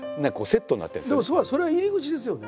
でもそれは入り口ですよね。